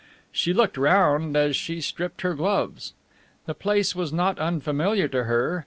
She looked round as she stripped her gloves. The place was not unfamiliar to her.